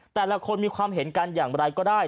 แต่ละคนมีความเห็นกันอย่างไรก็ได้